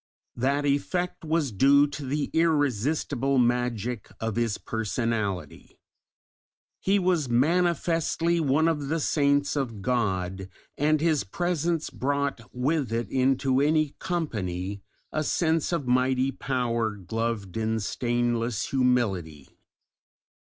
That effect was due to the irresistible magic of his personality. He was manifestly one of the Saints of God, and his presence brought with it into any company a sense of mighty power gloved in stainless humility.